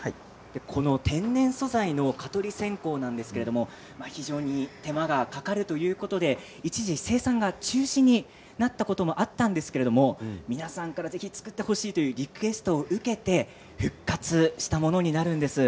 天然素材の蚊取り線香なんですが非常に手間がかかるということで一時生産が中止になったこともあったんですが皆さんからぜひ作ってほしいというリクエストを受けて復活したものです。